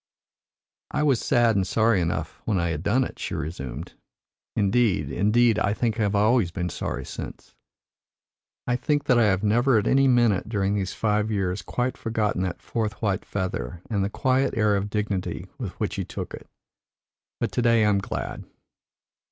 "I was sad and sorry enough when I had done it," she resumed. "Indeed, indeed, I think I have always been sorry since. I think that I have never at any minute during these five years quite forgotten that fourth white feather and the quiet air of dignity with which he took it. But to day I am glad."